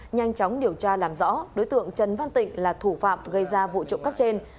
nhanh chóng điều tra làm rõ đối tượng trần văn tịnh là thủ phạm gây ra vụ trộm cắp trên